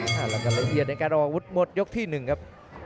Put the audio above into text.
แล้วก็ละเอียดในการออกอาวุธหมดยกที่๑ครับ